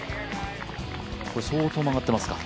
相当曲がってますか？